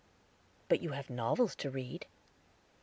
"But you have novels to read."